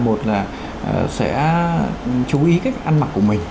một là sẽ chú ý cách ăn mặc của mình